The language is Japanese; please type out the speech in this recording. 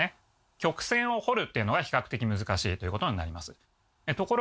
曲線を彫るっていうのは比較的難しいということになります。